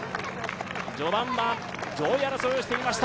序盤は上位争いをしていました。